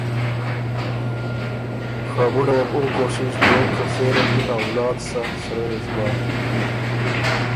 خه بُډه وه بُو او کوشِش دوک که سېره ميې اولاد سۀ سرۀ يې سو بۀ،